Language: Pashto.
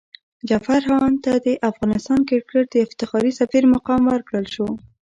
جعفر هاند ته د افغان کرکټ د افتخاري سفیر مقام ورکړل شو.